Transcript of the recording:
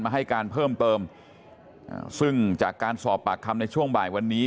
ให้การเพิ่มเติมซึ่งจากการสอบปากคำในช่วงบ่ายวันนี้